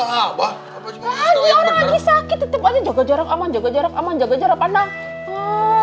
lagi orang lagi sakit tetap aja jaga jarak aman jaga jarak aman jaga jarak pandang